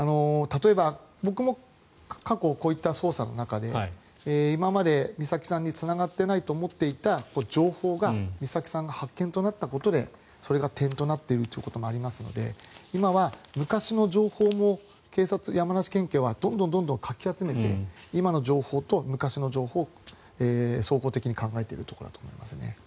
例えば僕も過去こういった捜査の中で今まで美咲さんにつながっていないと思っていた情報が美咲さんが発見となったことでそれが点となっているということもありますので今は昔の情報も山梨県警はどんどんかき集めて今の情報と昔の情報を総合的に考えているところだと思います。